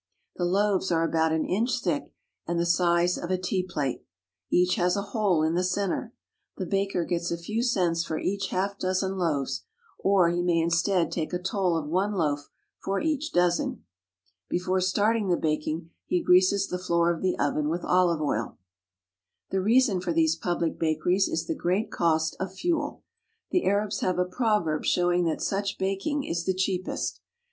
The loaves are about an inch thick and the size of a tea plate. Each has a hole in the centre. The baker gets a few cents for each half dozen loaves, or he may instead take a toll of one loaf for each dozen. Before starting the baking he greases the floor of the oven with olive oil. The reason for these public bakeries is the great cost of fuel. The Arabs have a proverb showing that such baking is the cheapest.